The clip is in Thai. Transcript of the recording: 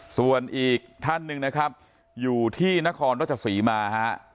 ส่วนอีกท่านหนึ่งนะครับอยู่ที่นครรัชศรีมาฮะ